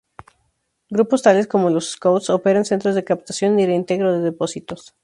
Grupos tales como los Scouts operan centros de captación y reintegro de depósitos.